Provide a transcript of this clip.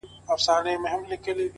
پر خپل پلار باندي شکمن سو ورپسې سو،